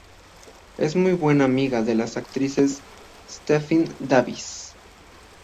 Es muy buena amiga de la actriz Stephanie Davis.